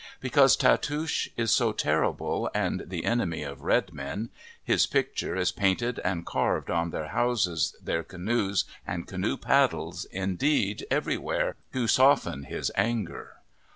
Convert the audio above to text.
Because Tatoosh is so terrible and the enemy of red men, his picture is painted and carved on their houses, their canoes, and canoe paddles, indeed everywhere, to soften his anger.